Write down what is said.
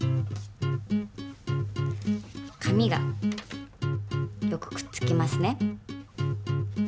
紙がよくくっつきますね。